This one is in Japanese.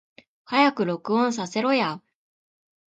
早く録音させろや